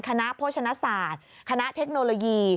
คณะโภชนศาสตร์คณะเทคโนโลยี